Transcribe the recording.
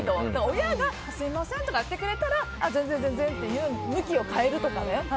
親がすいませんとかやってくれたら、全然って言って向きを変えるとかね。